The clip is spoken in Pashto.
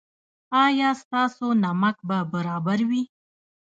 ایا ستاسو نمک به برابر وي؟